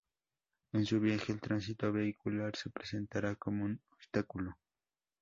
En su viaje, el tránsito vehicular se presentará como un obstáculo.